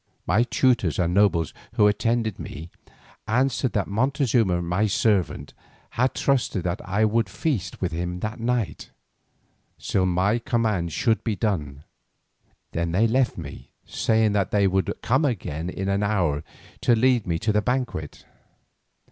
My tutors and the nobles who attended me answered that Montezuma my servant had trusted that I would feast with him that night. Still my command should be done. Then they left me, saying that they would come again in an hour to lead me to the banquet.